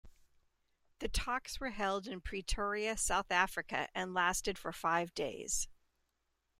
The talks were held in Pretoria, South Africa and lasted for five days.